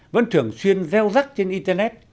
vẫn thường xuyên gieo rắc trên internet